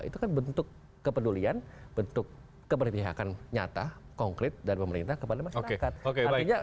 itu kan bentuk kepedulian bentuk keberpihakan nyata konkret dari pemerintah kepada masyarakat